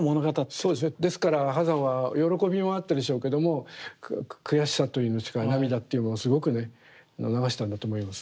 そうですねですから波山は喜びもあったでしょうけども悔しさというんですか涙っていうものすごくね流したんだと思います。